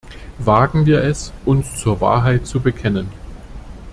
Wagen wir es, uns zur Wahrheit zu bekennen!